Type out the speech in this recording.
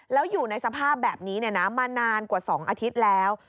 แล้วอยู่ในสภาพแบบนี้มานานกว่า๒อาทิตย์แล้ว